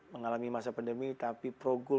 mengalami masa pandemi tapi progul